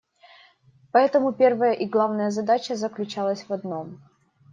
Поэтому первая и главная задача заключалась в одном.